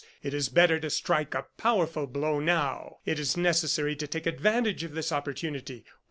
It is better to strike a powerful blow now. It is necessary to take advantage of this opportunity.